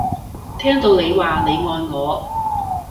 聽到你話你愛我